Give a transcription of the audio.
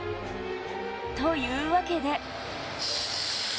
というわけで。